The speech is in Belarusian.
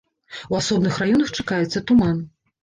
У асобных раёнах чакаецца туман.